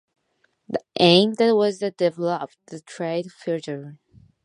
The aim then was to develop the trade further.